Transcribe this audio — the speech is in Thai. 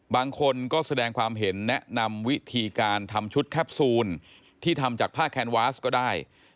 บางคนก็แสดงความเห็นแนะนำวิธีการทำชุดแคปซูลที่ทำจากผ้าแคนวาสก็ได้